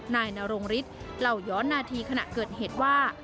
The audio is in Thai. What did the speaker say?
นายนรงฤทธิ์เล่าย้อนนาทีขณะเกิดเหตุว่า